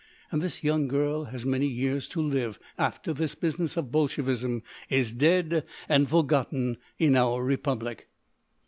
And this young girl has many years to live, after this business of Bolshevism is dead and forgotten in our Republic."